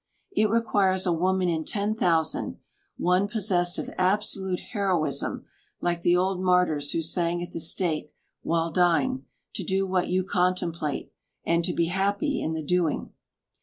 It requires a woman in ten thousand, one possessed of absolute heroism, like the old martyrs who sang at the stake while dying, to do what you contemplate, and to be happy in the doing.